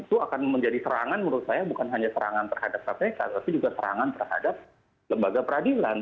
itu akan menjadi serangan menurut saya bukan hanya serangan terhadap kpk tapi juga serangan terhadap lembaga peradilan